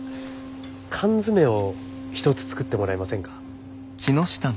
缶詰を一つ作ってもらえませんか？